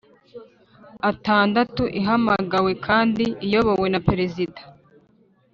Atandatu ihamagawe kandi iyobowe na perezida